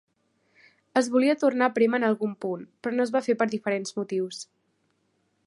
Es volia tornar a prémer en algun punt, però no es va fer per diferents motius.